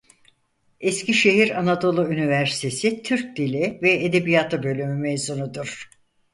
Eskişehir Anadolu Üniversitesi Türk Dili ve Edebiyatı Bölümü mezunudur.